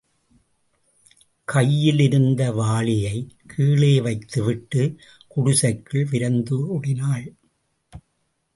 கையில் இருந்த வாளியைக் கீழே வைத்துவிட்டு குடிசைக்குள் விரைந்தோடினான்.